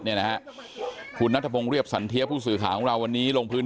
นะค่ะคุณนัทพรงเรียบสัญเทียผู้สื่อขาของเราวันนี้ลงพื้น